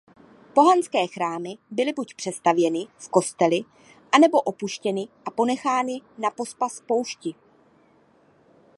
Pohanské chrámy byly buď přestavěny v kostely anebo opuštěny a ponechány napospas poušti.